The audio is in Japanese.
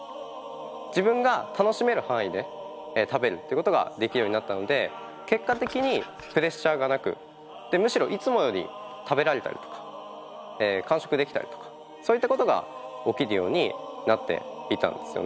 自分が楽しめる範囲で食べるってことができるようになったので結果的にプレッシャーがなくむしろいつもより食べられたりとか完食できたりとかそういったことが起きるようになっていたんですよね。